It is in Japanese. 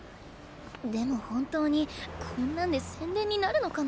でも本当にこんなんで宣伝になるのかなあ。